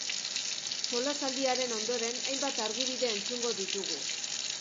Solasaldiaren ondoren hainbat argibide entzungo ditugu.